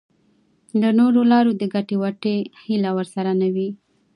له نورو لارو د ګټې وټې هیله ورسره نه وي.